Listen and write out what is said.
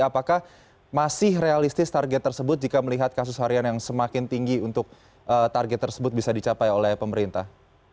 apakah masih realistis target tersebut jika melihat kasus harian yang semakin tinggi untuk target tersebut bisa dicapai oleh pemerintah